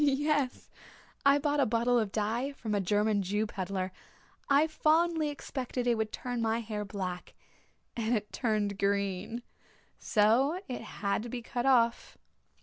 "Yes. I bought a bottle of dye from a German Jew pedlar. I fondly expected it would turn my hair black and it turned it green. So it had to be cut off."